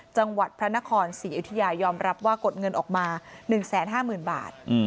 จังหวัดพระนครศรีอยุธยายอมรับว่ากดเงินออกมา๑๕๐๐๐บาท